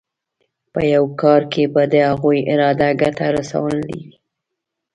په یو کار کې به د هغوی اراده ګټه رسول وي.